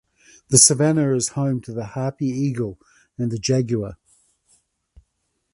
The savannah is home to the harpy eagle and the jaguar.